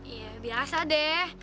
iya biasa deh